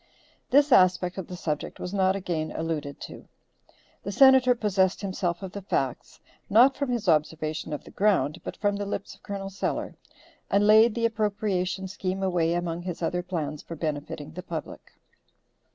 This aspect of the subject was not again alluded to. The Senator possessed himself of the facts, not from his observation of the ground, but from the lips of Col. Sellers, and laid the appropriation scheme away among his other plans for benefiting the public.